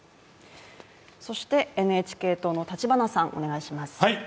そして、ＮＨＫ党の立花さん、お願いします。